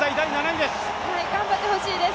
頑張ってほしいです。